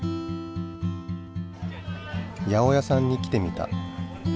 八百屋さんに来てみた。